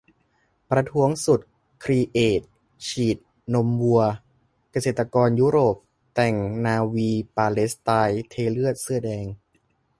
ประท้วงสุด 'ครีเอท' : ฉีดนมวัว-เกษตรกรยุโรป แต่งนา'วี-ปาเลสไตน์ เทเลือด-เสื้อแดง